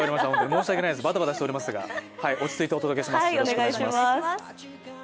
申し訳ないです、バタバタしておりましたが、落ち着いてお届けします。